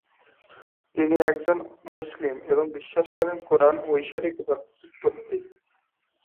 তিনি একজন মুসলিম এবং বিশ্বাস করেন কোরআন ঐশ্বরিক উৎপত্তি।